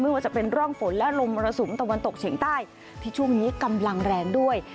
ว่าจะเป็นร่องฝนและลมมรสุมตะวันตกเฉียงใต้ที่ช่วงนี้กำลังแรงด้วย